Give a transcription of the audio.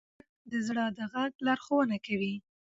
کیمیاګر د زړه د غږ لارښوونه کوي.